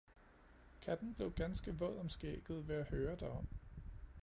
Katten blev ganske våd om skægget ved at høre derom